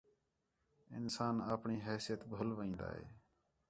انسان اَپݨی حیثیت بُھل وین٘دا ہے